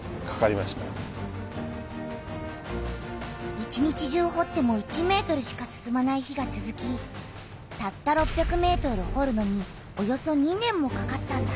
一日中ほっても１ｍしか進まない日がつづきたった６００ｍほるのにおよそ２年もかかったんだ。